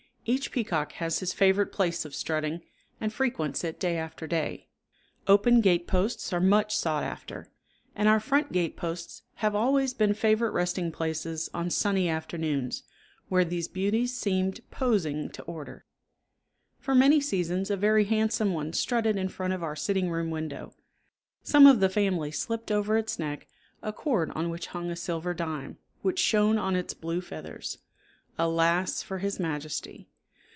Each peacock has his favorite place of strutting, and frequents it day after day. Open gateposts are much sought after; and our front gateposts have always been favorite resting places on sunny afternoons, where these beauties seemed posing to order. For many seasons a very handsome one strutted in front of our sitting room window. Some of the family slipped over its neck a cord on which hung a silver dime, which shone on its blue feathers. Alas for his majesty!